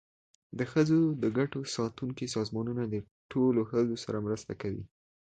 د ښځو د ګټو ساتونکي سازمانونه د ټولو ښځو سره مرسته کوي.